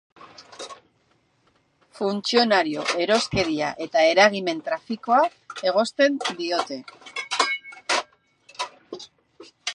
Funtzionario eroskeria eta eragimen-trafikoa egozten diote.